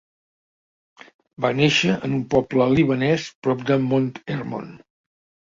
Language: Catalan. Va néixer en un poble libanès prop del Mont Hermon.